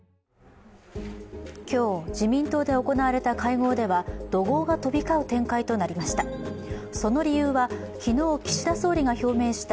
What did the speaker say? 今日、自民党で行われた会合では怒号が飛び交う展開となりました。